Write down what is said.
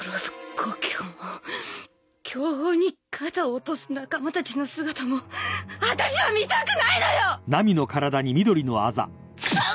故郷も凶報に肩を落とす仲間たちの姿も私は見たくないのよッ！